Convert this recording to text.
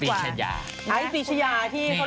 บรีชยาไอท์บรีชยาที่เค้าเล่นเลข